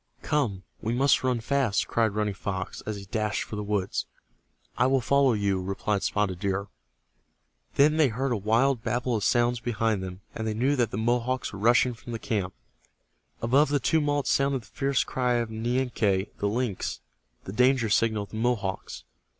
"Come, we must ran fast!" cried Running Fox, as he dashed for the woods. "I will follow you," replied Spotted Deer. Then they heard a wild babel of sounds behind them, and they knew that the Mohawks were rushing from the camp. Above the tumult sounded the fierce cry of Nianque, the lynx, the danger signal of the Mohawks.